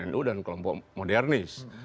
nu dan kelompok modernis